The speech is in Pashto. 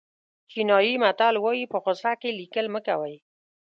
چینایي متل وایي په غوسه کې لیکل مه کوئ.